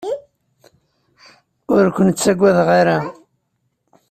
Ur ken-nettaggad ara.